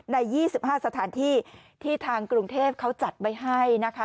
ใน๒๕สถานที่ที่ทางกรุงเทพเขาจัดไว้ให้นะคะ